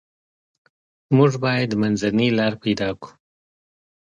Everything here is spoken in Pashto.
موږ باید منځنۍ لار پیدا کړو.